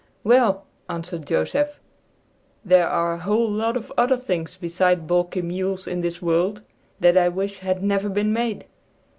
"Well," answered Joseph, "there are a whole lot of other things beside balky mules in this world that I wish had never been made.